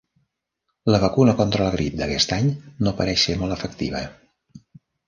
La vacuna contra la grip d'aquest any no pareix ser molt efectiva.